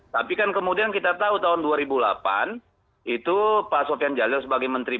tapi kan kemudian kita tahu tahun dua ribu delapan itu pak sofian jalil sebagai menteri